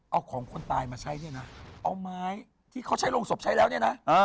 เอาของคนตายมาใช้เนี่ยนะเอาไม้ที่เขาใช้โรงศพใช้แล้วเนี่ยนะ